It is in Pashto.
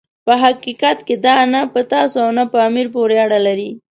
په حقیقت کې دا نه په تاسو او نه په امیر پورې اړه لري.